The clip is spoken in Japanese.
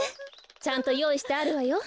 ちゃんとよういしてあるわよ。